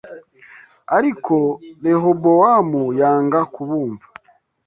Ariko Rehobowamu yanga kubumva